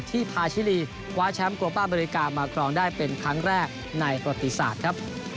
พาชิลีคว้าแชมป์โกป้าอเมริกามาครองได้เป็นครั้งแรกในประติศาสตร์ครับ